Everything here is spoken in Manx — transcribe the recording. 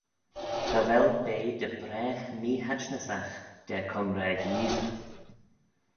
Cha vel bea dy bragh meehaitnysagh da comraag Yeesey.